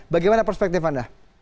bagaimana perspektif anda